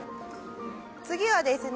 次はですね